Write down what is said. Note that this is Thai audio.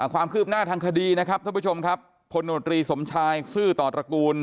ความคืบหน้าทางคดีนะครับท่านผู้ชมครับพลโนตรีสมชายซื่อต่อตระกูล